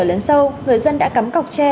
lớn sâu người dân đã cắm cọc tre